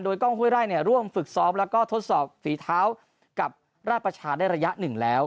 กล้องห้วยไร่ร่วมฝึกซ้อมแล้วก็ทดสอบฝีเท้ากับราชประชาได้ระยะหนึ่งแล้ว